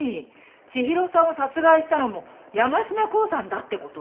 千尋さんを殺害したのも山科興産だって事？